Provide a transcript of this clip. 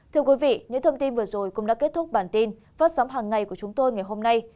thưa quý vị những thông tin vừa rồi cũng đã kết thúc bản tin phát sóng hàng ngày của chúng tôi ngày hôm nay